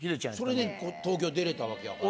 それで東京出れたわけやから。